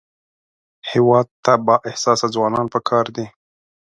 هېواد ته بااحساسه ځوانان پکار دي